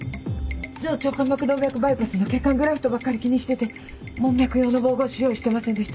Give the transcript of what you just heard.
上腸間膜動脈バイパスの血管グラフトばっかり気にしてて門脈用の縫合糸用意してませんでした。